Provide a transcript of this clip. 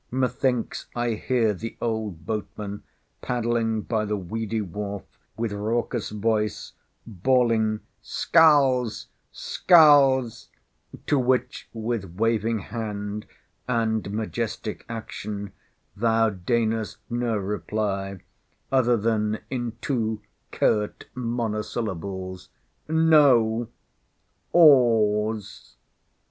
Methinks I hear the old boatman, paddling by the weedy wharf, with raucid voice, bawling "SCULLS, SCULLS:" to which, with waving hand, and majestic action, thou deignest no reply, other than in two curt monosyllables, "No: OARS."